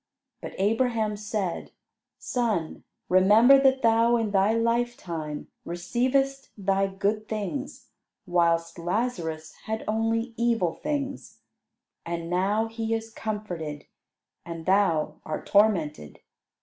But Abraham said, "Son, remember that thou in thy lifetime receivedst thy good things, whilst Lazarus had only evil things; and now he is comforted, and thou art tormented.